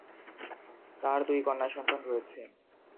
তার দুই কন্যা সন্তান রয়েছে।